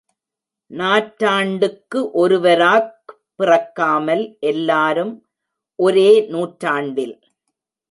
நாற்றாண்டுக்கு ஒருவராக் பிறக்காமல், எல்லாரும் ஒரே நூற்றாண்டில்.